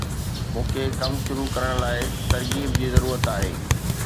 مون کي ڪم شروع ڪرڻ لاءِ ترغيب جي ضرورت آهي